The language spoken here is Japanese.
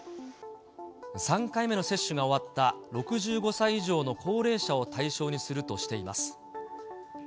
３回目の接種が終わった６５歳以上の高齢者を対象にするとしています。